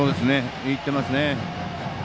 いっていますね。